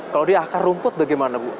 kalau di akar rumput bagaimana bu